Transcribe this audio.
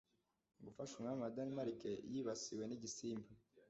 gufasha umwami wa Danemark yibasiwe nigisimba